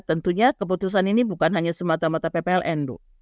tentunya keputusan ini bukan hanya semata mata ppln bu